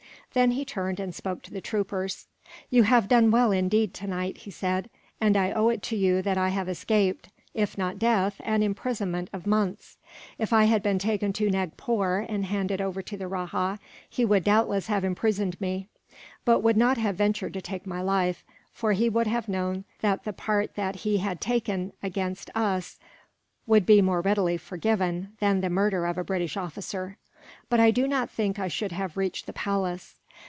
Then he turned, and spoke to the troopers. "You have done well, indeed, tonight," he said, "and I owe it to you that I have escaped, if not death, an imprisonment of months. If I had been taken to Nagpore, and handed over to the rajah, he would doubtless have imprisoned me; but would not have ventured to take my life, for he would have known that the part that he had taken against us would be more readily forgiven, than the murder of a British officer. But I do not think I should have reached the palace.